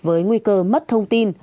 với nguy cơ mất thông tin